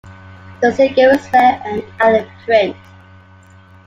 The single is rare and out of print.